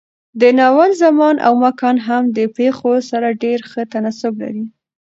د ناول زمان او مکان هم د پېښو سره ډېر ښه تناسب لري.